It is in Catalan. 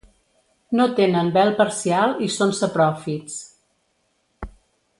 No tenen vel parcial i són sapròfits.